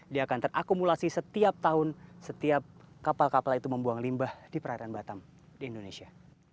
dia akan terakumulasi setiap tahun setiap kapal kapal itu membuang limbah di perairan batam di indonesia